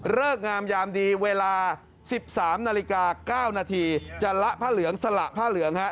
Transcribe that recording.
งามยามดีเวลา๑๓นาฬิกา๙นาทีจะละผ้าเหลืองสละผ้าเหลืองฮะ